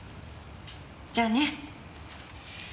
じゃあね。